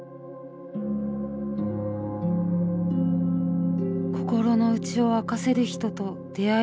心の内を明かせる人と出会えた姉。